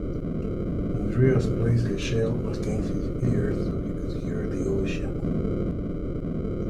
Andreas placed the shell against his ear so he could hear the ocean.